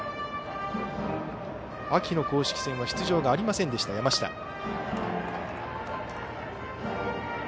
秋の公式戦は出場がありませんでした、山下。